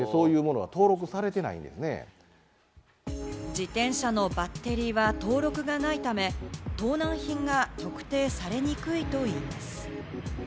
自転車のバッテリーは登録がないため、盗難品が特定されにくいといいます。